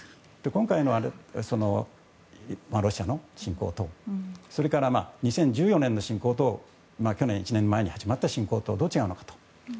今回のロシアの侵攻とそれから２０１４年の侵攻と去年１年前に始まった侵攻とどう違うのかと。